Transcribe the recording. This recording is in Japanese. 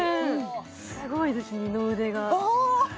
すごいです二の腕があはは